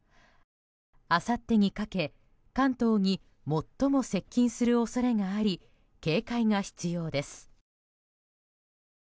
あさってにかけ関東に最も接近する恐れがあり警戒が必要です。